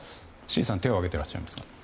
志位さん、手を挙げていらっしゃいますが。